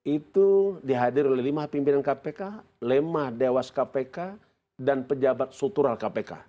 itu dihadir oleh lima pimpinan kpk lima dewas kpk dan pejabat struktural kpk